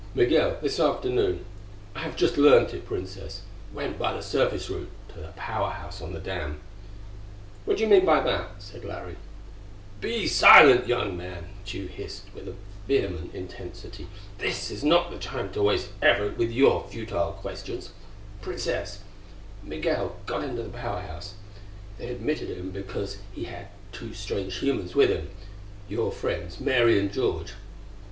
"Migul, this afternoon I have just learned it, Princess went by the surface route to the Power House on the dam." "What do you mean by that?" said Larry. "Be silent, young man!" Tugh hissed with a vehement intensity. "This is not the time to waste effort with your futile questions. Princess, Migul got into the Power House. They admitted him because he had two strange humans with him your friends Mary and George.